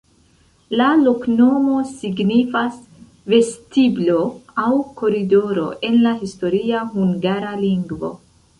La loknomo signifas: vestiblo aŭ koridoro en la historia hungara lingvo.